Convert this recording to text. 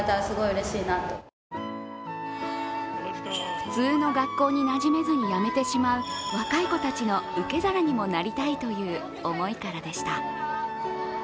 普通の学校になじめずに辞めてしまう若い子たちの受け皿にもなりたいという思いからでした。